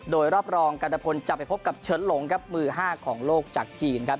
โดยรอบรองกันตะพลจะไปพบกับเชิดหลงครับมือ๕ของโลกจากจีนครับ